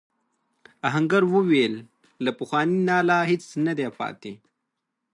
آهنګر وویل له پخواني ناله هیڅ نه دی پاتې.